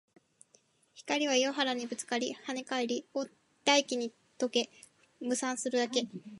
光は岩肌にぶつかり、跳ね返り、大気に溶け、霧散するだけ